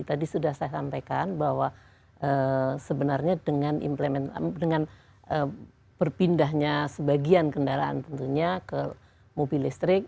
tadi sudah saya sampaikan bahwa sebenarnya dengan berpindahnya sebagian kendaraan tentunya ke mobil listrik